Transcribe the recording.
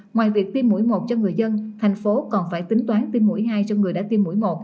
ngoài việc tiêm mũi một cho người dân thành phố còn phải tính toán tiêm mũi hai cho người đã tiêm mũi một